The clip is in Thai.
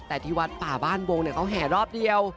แต่ที่วัดป่าบ้านบงเขาแห่รอบเดียว